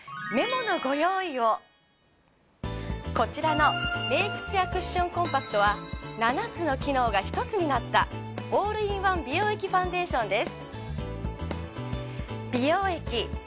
こちらのメイク艶クッションコンパクトは７つの機能が１つになったオールインワン美容液ファンデーションです。